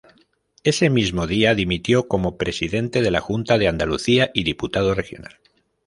Ese mismo día dimitió como Presidente de la Junta de Andalucía y diputado regional.